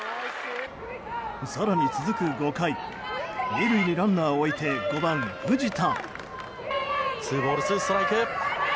更に続く５回２塁にランナーを置いて５番、藤田。